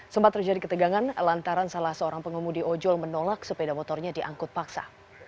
sempat terjadi ketegangan lantaran salah seorang pengemudi ojol menolak sepeda motornya diangkut paksa